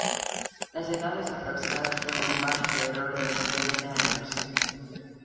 Las edades aproximadas tienen un margen de error de millones de años.